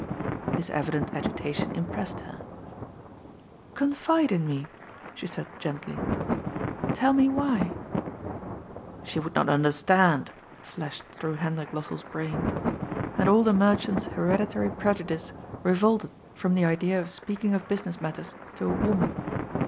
His evident agitation impressed her. " Confide in me," she said gently. " Tell me why." " She would not understand 1 " flashed through Hendrik Lossell's brain. And all the merchant's hereditary preju 252 CK>D'S POOL. dice revolted from the idea of speaking of business matters to a woman.